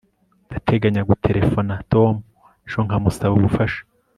Ndateganya guterefona Tom ejo nkamusaba ubufasha